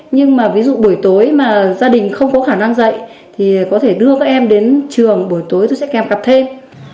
nhưng mà ví dụ buổi tối mà gia đình không có khả năng dạy thì có thể đưa các em đến trường buổi tối tôi sẽ kèm cặp thêm